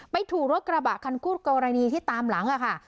ไปถูกราบะขนคู่กรณีที่ตามหลังอ่ะค่ะ